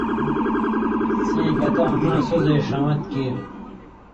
سیں گتہ اماں سو زئ ݜوَن٘ت کیریۡ